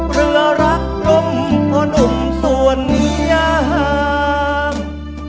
เรือรักลงพอหนุ่มส่วนอย่าง